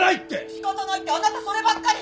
仕方ないってあなたそればっかり！